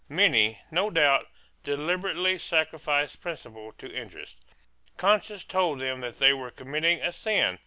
Many, no doubt, deliberately sacrificed principle to interest. Conscience told them that they were committing a sin.